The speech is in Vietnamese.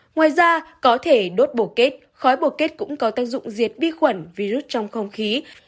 ngoài ra có thể đốt bộ kết khói bột kết cũng có tác dụng diệt vi khuẩn virus trong không khí